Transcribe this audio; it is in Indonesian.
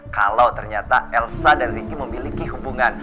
kalau ternyata elsa dan ricky memiliki hubungan